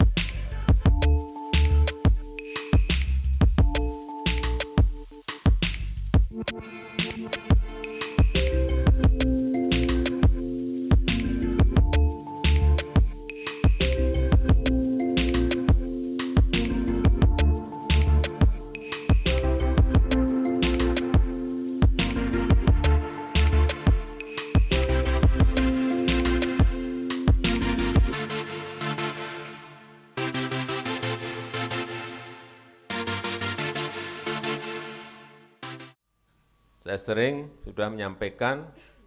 saya sering sudah menyampaikan